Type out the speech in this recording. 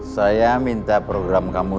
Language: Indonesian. saya minta program kamu